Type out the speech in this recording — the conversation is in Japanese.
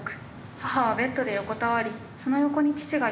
母はベッドで横たわりその横に父がいた」。